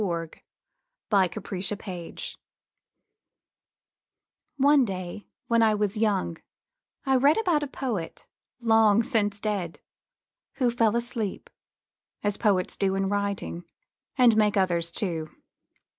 XXIX THE POET WHO SLEEPS One day, when I was young, I read About a poet, long since dead, Who fell asleep, as poets do In writing and make others too.